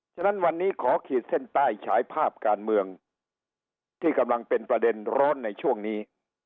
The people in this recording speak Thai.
ฉะนั้นวันนี้ขอขีดเส้นใต้ฉายภาพการเมืองที่กำลังเป็นประเด็นร้อนในช่วงนี้